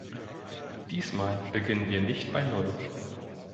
Diesmal beginnen wir nicht bei Null.